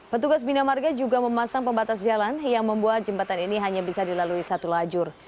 petugas bina marga juga memasang pembatas jalan yang membuat jembatan ini hanya bisa dilalui satu lajur